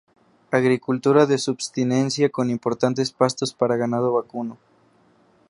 Agricultura de subsistencia con importantes pastos para ganado vacuno.